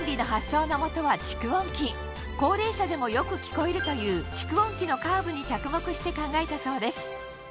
この高齢者でもよく聞こえるという蓄音機のカーブに着目して考えたそうです